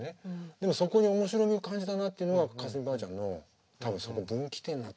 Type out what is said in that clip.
でもそこに面白みを感じたなっていうのは架純ばあちゃんの多分そこ分岐点になったようなかもしれないな。